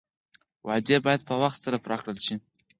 وعدې باید په وخت سره پوره کړل شي.